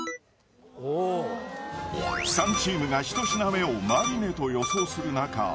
おお３チームが１品目をマリネと予想する中